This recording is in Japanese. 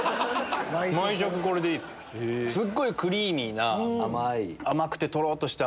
すっごいクリーミーな甘くてとろっとした。